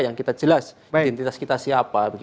yang kita jelas identitas kita siapa